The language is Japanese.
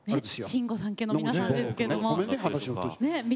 新御三家の皆さんですけども。